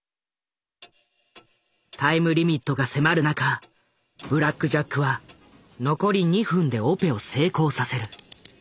タイムリミットが迫る中ブラック・ジャックは残り２分でオペを成功させる。